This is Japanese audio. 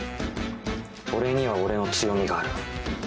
俺には俺の強みがある。